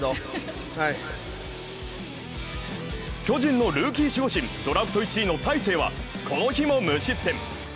巨人のルーキー守護神ドラフト１位の大勢はこの日も無失点。